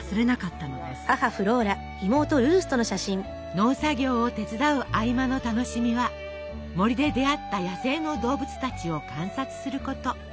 農作業を手伝う合間の楽しみは森で出会った野生の動物たちを観察すること。